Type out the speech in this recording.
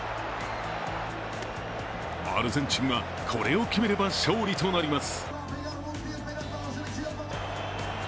アルゼンチンは、これを決めれば勝利となります。